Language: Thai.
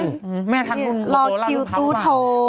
รอคิวตู้โทรศัพท์